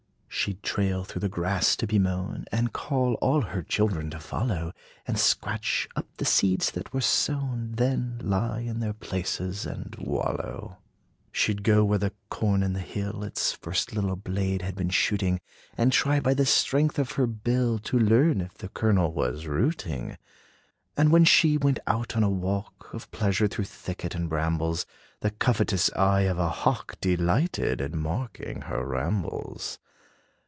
She 'd trail through the grass to be mown, And call all her children to follow; And scratch up the seeds that were sown, Then, lie in their places and wallow. She 'd go where the corn in the hill, Its first little blade had been shooting, And try, by the strength of her bill, To learn if the kernel was rooting. And when she went out on a walk Of pleasure, through thicket and brambles, The covetous eye of a hawk Delighted in marking her rambles.